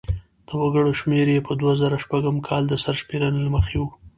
د وګړو شمیر یې په دوه زره شپږم کال د سرشمېرنې له مخې و.